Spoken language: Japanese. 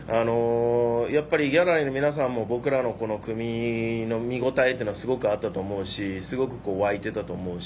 やっぱりギャラリーの皆さんも僕らの組の見応えというのはすごく、あったと思うしすごく沸いていたと思うし。